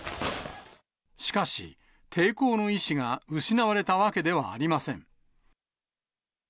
しかし、抵抗の意志が失われたわけではありません。